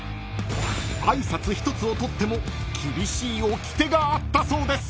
［挨拶一つをとっても厳しいおきてがあったそうです］